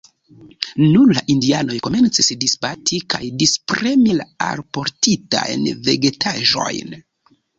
Nun la indianoj komencis disbati kaj dispremi la alportitajn vegetaĵojn.